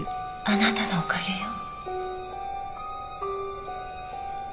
あなたのおかげよ。